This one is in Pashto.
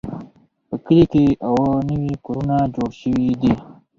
په کلي کې اووه نوي کورونه جوړ شوي دي.